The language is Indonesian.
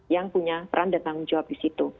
yang punya peran dan tanggung jawab disitu